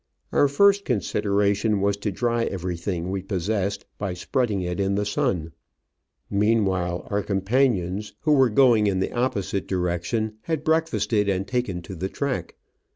Our first consideration was to dry everything we possessed by spreading it in the sun ; meanwhile our companions, who were going in the opposite direc tion, had breakfasted and taken to the track.